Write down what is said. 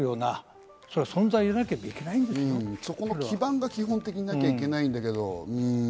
そこの基盤がなきゃいけないんだけど。